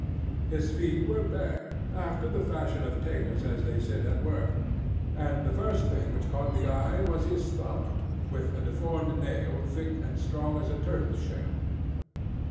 His feet were bare, after the fashion of tailors as they sit at work; and the first thing which caught the eye was his thumb, with a deformed nail thick and strong as a turtle's shell.